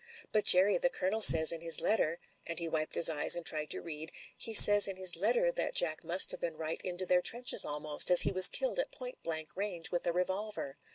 But, Jerry, the Colonel says in his letter," and he wiped his eyes and tried to read, ''he says in his letter that Jack must have been right into their trenches almost, as he was killed at point blank range with a revolver.